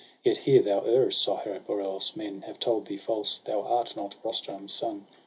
Yet here thou arrest, Sohrab, or else men Have told thee false — thou art not Rustum's son.